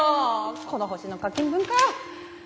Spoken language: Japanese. この星の課金文化！